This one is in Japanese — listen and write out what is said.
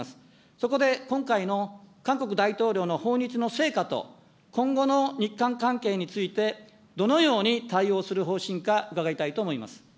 そこで今回の韓国大統領の訪日の成果と、今後の日韓関係について、どのように対応する方針か、伺いたいと思います。